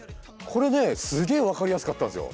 これねすげえ分かりやすかったんですよ。